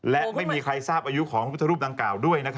และไม่มีใครทราบอายุของพุทธรูปดังกล่าวด้วย